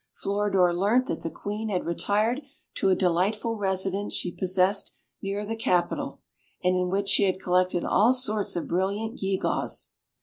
Floridor learnt that the Queen had retired to a delightful residence she possessed near the capital, and in which she had collected all sorts of brilliant gewgaws.